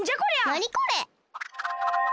なにこれ？